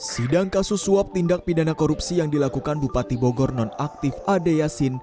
sidang kasus suap tindak pidana korupsi yang dilakukan bupati bogor nonaktif ade yasin